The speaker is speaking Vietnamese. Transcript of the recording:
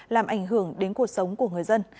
làm ảnh hưởng đến cuộc sống của người dân